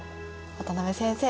渡辺先生